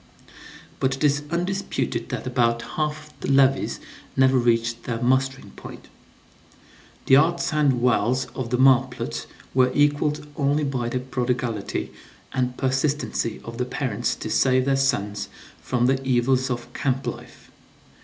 But it is undisputed that about half the levies never reached their mustering point. The arts and wiles of the marplots were equaled only by the prodigality and persistency of the parents to save their sons from "the evils of camp life."